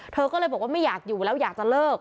เธอก็เลยบอกว่าไม่อยากอยู่แล้วอยากจะเลิก